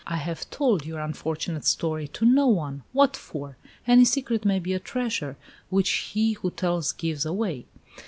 I have told your unfortunate story to no one. What for? Any secret may be a treasure, which he who tells gives away.